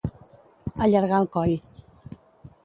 Allargar el coll.